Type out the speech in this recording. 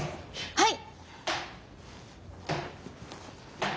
はい！